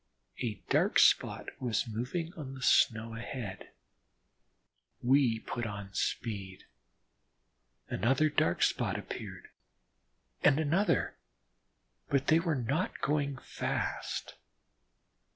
A dark spot was moving on the snow ahead. We put on speed. Another dark spot appeared, and another, but they were not going fast.